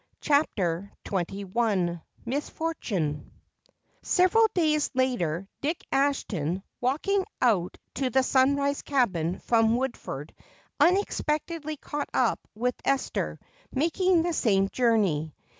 CHAPTER XXI Misfortune Several days later Dick Ashton, walking out to the Sunrise cabin from Woodford, unexpectedly caught up with Esther making the same journey.